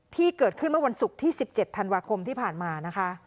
ที่เกิดขึ้นเมื่อวันศุกร์ที่๑๗ธันวาคมที่ผ่านมานะคะ